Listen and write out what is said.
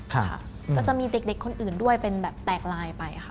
ก็จะมีเด็กคนอื่นด้วยเป็นแบบแตกลายไปค่ะ